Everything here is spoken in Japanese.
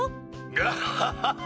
ガハハハ！